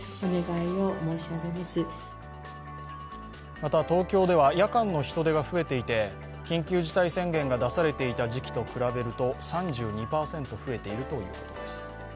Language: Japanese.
また、東京では夜間の人出が増えていて緊急事態宣言が出されていた時期と比べると３２％増えているということです。